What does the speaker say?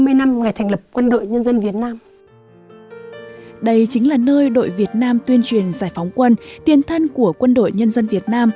đây chính là nơi đội việt nam tuyên truyền giải phóng quân tiền thân của quân đội nhân dân việt nam